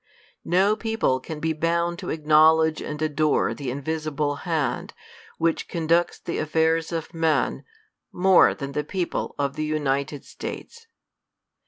No people can "be bound to ackiiowlcd2;e and adore the invisible hand, which conducts the aitairs of men, more than the people of the United States.